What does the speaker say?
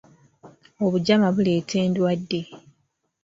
Obugyama buleeta endwadde.